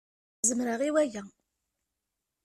Zemreɣ i waya.